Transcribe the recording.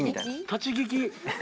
立ち聞き。